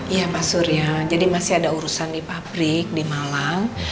iya pak surya jadi masih ada urusan di pabrik di malang